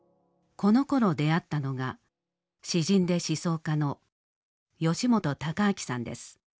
このころ出会ったのが詩人で思想家の吉本隆明さんです。